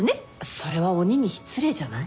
それは鬼に失礼じゃない？